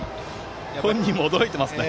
本人も驚いていました。